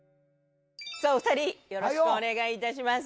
さあお二人よろしくお願いいたします